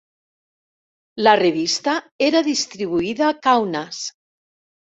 La revista era distribuïda a Kaunas.